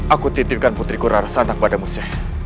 aku titipkan putriku rarasantak padamu syekh